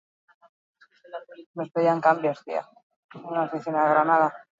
Orain arte epaitegi britainiarrek atzera bota dituzte eskaera horiek.